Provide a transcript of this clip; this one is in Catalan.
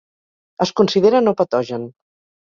Es considera no patogen.